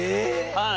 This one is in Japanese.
はい。